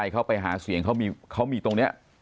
เขาไปหาเสียงเขามีตรงนี้